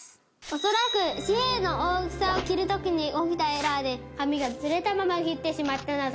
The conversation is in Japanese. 恐らく紙幣の大きさを切る時に起きたエラーで紙がずれたまま切ってしまったなど